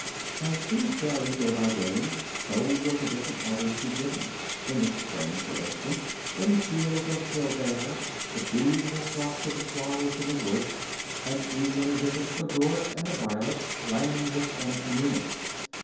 As these vary day by day, so will the different orders be given. In the spring, for instance, when the fields are still bare, the bees will flock to the flowers in the woods, and eagerly visit the gorse and the violets, langworts and anemones.